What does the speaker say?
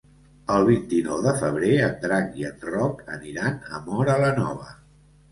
El vint-i-nou de febrer en Drac i en Roc aniran a Móra la Nova.